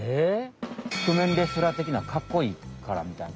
ふくめんレスラーてきなかっこいいからみたいな。